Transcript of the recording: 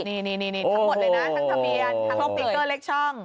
นี่ทั้งหมดเลยนะทั้งทะเบียนทั้งโลกปีเกอร์เล็กช่อง